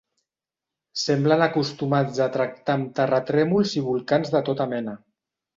Semblen acostumats a tractar amb terratrèmols i volcans de tota mena.